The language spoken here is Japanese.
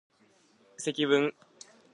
積分